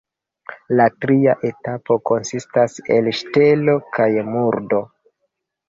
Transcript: La tria etapo konsistas el ŝtelo kaj murdo.